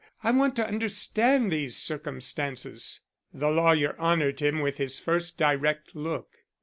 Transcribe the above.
I want to understand these circumstances." The lawyer honored him with his first direct look.